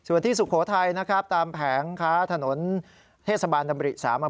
ส่วนที่สุโขทัยนะครับตามแผงค้าถนนเทศบาลดำริสามอำเภอ